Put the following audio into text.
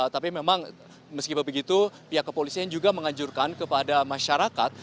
tapi memang meskipun begitu pihak kepolisian juga menganjurkan kepada masyarakat